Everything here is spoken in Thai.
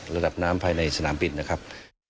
ระดับน้ำภายในสนามบินนะครับ